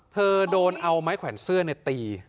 เธอโดนเอาไม้แขวนเสื้อตี